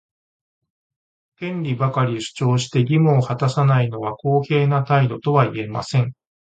権利ばかり主張して、義務を果たさないのは公平な態度とは言えません。